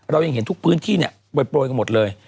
เรายังเห็นทุกพื้นที่เนี่ยโปรยกันหมดเลย